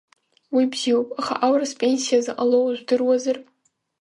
Уи бзиоуп, аха аурыс пенсиа заҟа лоуа жәдыруазар?